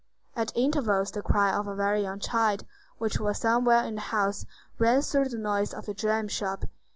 At intervals the cry of a very young child, which was somewhere in the house, rang through the noise of the dram shop.